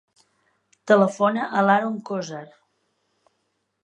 Telefona a l'Haron Cozar.